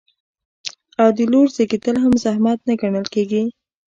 آیا د لور زیږیدل هم رحمت نه ګڼل کیږي؟